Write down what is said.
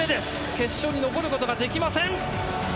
決勝に残ることはできません。